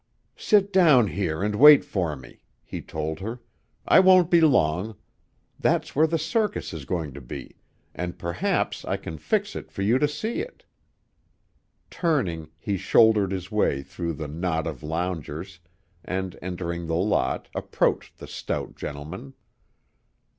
"Sit down here and wait for me," he told her. "I won't be long. That's where the circus is going to be, and perhaps I can fix it for you to see it." Turning, he shouldered his way through the knot of loungers, and entering the lot, approached the stout gentleman.